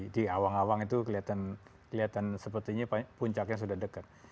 di awang awang itu kelihatan sepertinya puncaknya sudah dekat